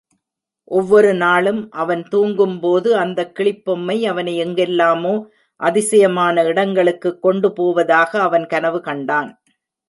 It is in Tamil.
ஒவ்வொரு நாளும் அவன் தூங்கும்போது அந்தக் கிளிப்பொம்மை அவனை எங்கெல்லாமோ அதிசயமான இடங்களுக்குக் கொண்டுபோவதாக அவன் கனவு கண்டான்.